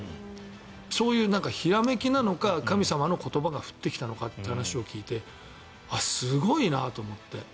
そういう、ひらめきなのか神様の言葉が降ってきたのかという話を聞いてすごいなと思って。